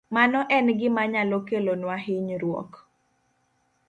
Mano en gima nyalo kelonwa hinyruok.